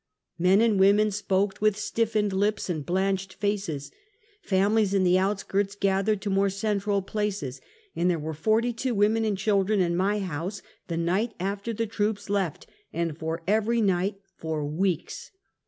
Men and women sj)oke with stiffened lips and blanched faces. Families in the outskirts gathered to more central places, and there were forty two women and children in my house the night after the troops left, and for every night for weeks.